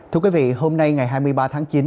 thưa quý vị hôm nay ngày hai mươi ba tháng chín